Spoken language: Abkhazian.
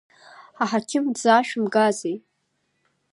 Аҳақьым дзаашәымгазеи?